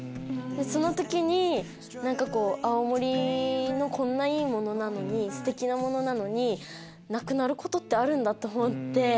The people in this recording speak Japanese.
その時に青森のこんないいものなのにステキなものなのになくなることってあるんだと思って。